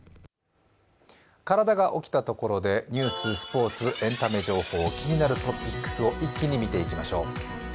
体が起きたところで、ニュース、スポーツ、エンタメ情報気になるトピックスを一気に見ていきましょう。